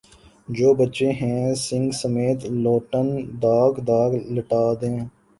جو بچے ہیں سنگ سمیٹ لو تن داغ داغ لٹا دیا